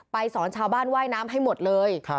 สอนชาวบ้านว่ายน้ำให้หมดเลย